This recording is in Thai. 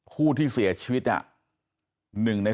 ผู้ที่เสียชีวิต